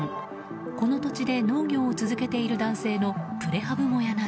この土地で農業を続けている男性のプレハブ小屋など。